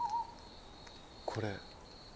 これ。